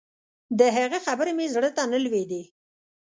د هغه خبرې مې زړه ته نه لوېدې.